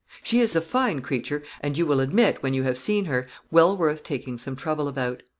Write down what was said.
She is a fine creature, and you will admit, when you have seen her, well worth taking some trouble about.